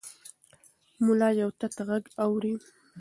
ملا یو تت غږ اوري.